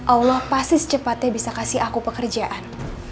allah pasti secepatnya bisa kasih aku pekerjaan